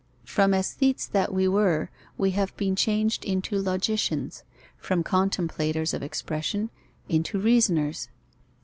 From aesthetes that we were, we have been changed into logicians; from contemplators of expression, into reasoners.